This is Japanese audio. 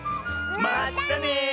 まったね！